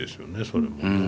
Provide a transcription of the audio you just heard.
それもね。